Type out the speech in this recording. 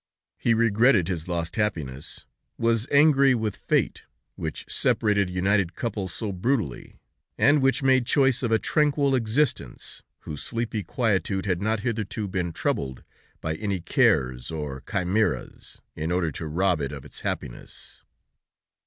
He regretted his lost happiness, was angry with fate, which separated united couples so brutally, and which made choice of a tranquil existence, whose sleepy quietude had not hitherto been troubled by any cares or chimeras, in order to rob it of its happiness.